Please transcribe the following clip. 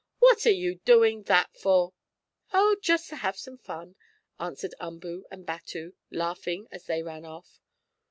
"What are you doing that for?" "Oh, just to have some fun," answered Umboo and Batu, laughing as they ran off.